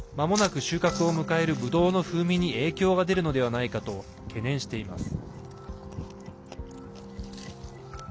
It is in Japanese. まもなく収穫を迎えるぶどうの風味に影響が出るのではないかと懸念しています。